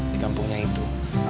di kampungnya itu